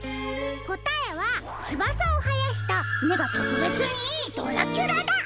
こたえはつばさをはやしためがとくべつにいいドラキュラだ。